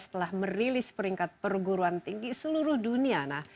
telah merilis peringkat perguruan tinggi seluruh dunia